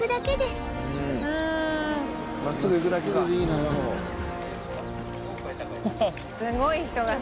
すごい人が。